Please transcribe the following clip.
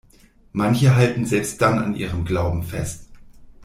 Manche halten selbst dann an ihrem Glauben fest.